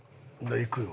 行くよ。